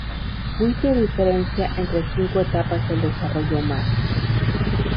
White diferencia entre cinco etapas del desarrollo humano.